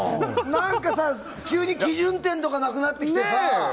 何かさ、急に基準点とかなくなってきてさ。